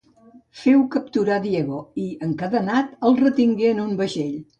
Feu capturar Diego i, encadenat, el retingué en un vaixell.